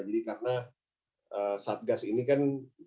jadi karena satgas ini kan